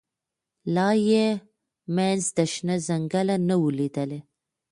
لا یې منځ د شنه ځنګله نه وو لیدلی